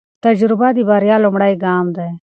تجربه د بریا لومړی ګام دی.